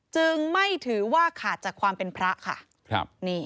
จึงไม่ถือว่าขาดจากความเป็นพระค่ะ